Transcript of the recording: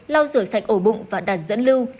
lau rửa sạch ổ bụng và đặt dẫn lưu